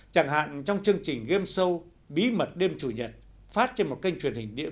chẳng hạn trong chương trình game show bí mật đêm chủ nhật phát trên một kênh truyền hình địa